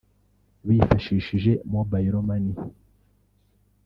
bifashishije Mobile Money